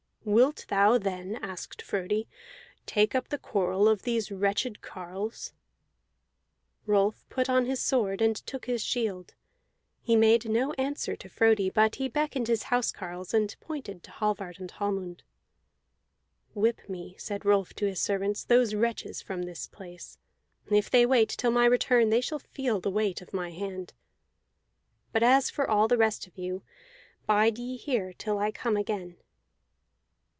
"Wilt thou then," asked Frodi, "take up the quarrel of these wretched carles?" Rolf put on his sword and took his shield; he made no answer to Frodi, but he beckoned his housecarles and pointed to Hallvard and Hallmund. "Whip me," said Rolf to his servants, "these wretches from this place; if they wait till my return they shall feel the weight of my hand. But as for all the rest of you, bide ye here till I come again."